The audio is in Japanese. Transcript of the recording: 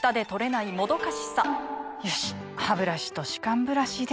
よしハブラシと歯間ブラシでと。